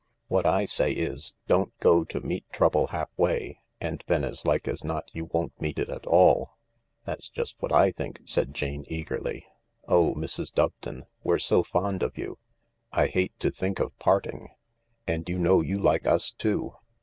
What Isay is, don't go to meet trouble half way, and then as like as not you won't meet it at all." "That's just what I think," said Jane eagerly. "Oh, Mrs. Doveton, we're so fond of you ! I hate to think of parting — and you know you like us too."